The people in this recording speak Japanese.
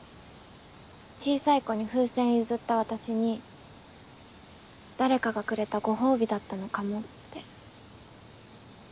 小さい子に風船譲った私に誰かがくれたご褒美だったのかもって。